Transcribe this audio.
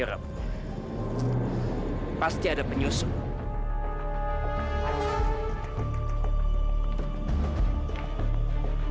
nggak ada yang nunggu